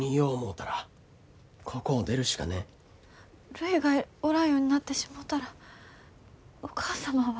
るいがおらんようになってしもうたらお義母様は。